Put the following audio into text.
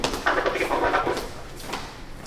আমরা প্রত্যেকেই ভগবান লাভ করিবার চেষ্টা করিতেছি।